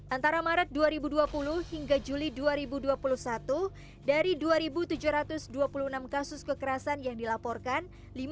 antara maret dua ribu dua puluh hingga juli dua ribu dua puluh satu dari dua tujuh ratus dua puluh enam kasus kekerasan yang dilaporkan